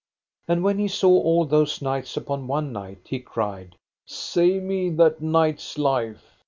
And when he saw all those knights upon one knight he cried: Save me that knight's life.